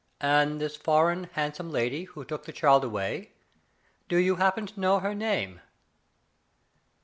"And this foreign, handsome lady who took the child away, do you happen to know her name